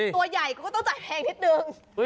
ตัวใหญ่คุณก็ต้องจ่ายแพงนิดนึง